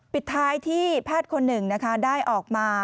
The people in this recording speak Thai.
ปิดท้ายที่แพทย์คนหนึ่งนะคะได้ออกมา